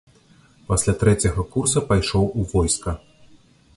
Пасля трэцяга курса пайшоў у войска.